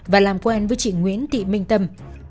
và làm quen với chị nguyễn thị minh tâm